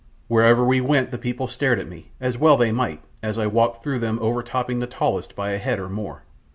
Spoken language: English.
Wherever we went the people stared at me, as well they might, as I walked through them overtopping the tallest by a head or more.